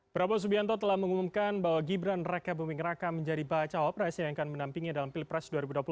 prabowo subianto telah mengumumkan bahwa gibran raka buming raka menjadi bacawa pres yang akan menampingi dalam pilpres dua ribu dua puluh empat